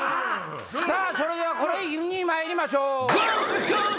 さぁそれではこれにまいりましょう。